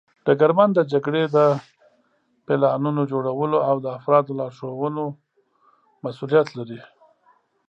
ډګرمن د جګړې د پلانونو جوړولو او د افرادو لارښودلو مسوولیت لري.